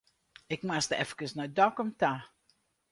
Ik moat efkes nei Dokkum ta.